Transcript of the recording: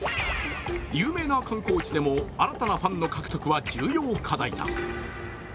有名な観光地でも、新たなファンの獲得は重要課題だ。